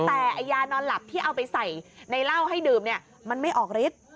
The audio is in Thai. แต่ยานอนหลับที่เอาไปใส่ในเหล้าให้ดื่มเนี่ยมันไม่ออกฤทธิ์